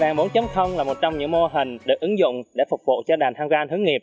nhà bốn là một trong những mô hình được ứng dụng để phục vụ cho đàn tham gia hướng nghiệp